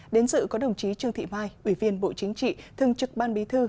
đến dự có đồng chí trương thị mai ủy viên bộ chính trị thường trực ban bí thư